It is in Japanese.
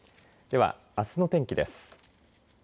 では、あすの天気です。